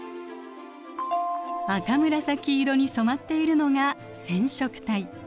赤紫色に染まっているのが染色体。